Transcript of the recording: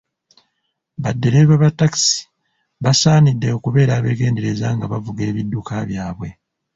Baddereeva ba ttakisi bassanidde okubeera abegendereza nga bavuga ebidduka byabwe.